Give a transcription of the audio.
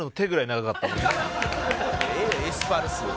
ええよエスパルス。